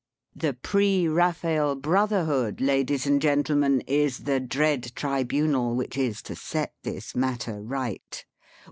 The Pre Eaphael Brotherhood, Ladies and Gentlemen, is the dread Tribunal which is to set this matter right.